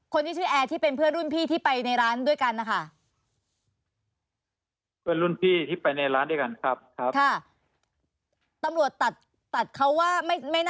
คนที่ชื่อแอร์ที่เป็นเพื่อนรุ่นพี่